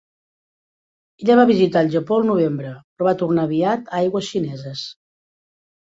Ella va visitar el Japó al novembre, però va tornar aviat a aigües xineses.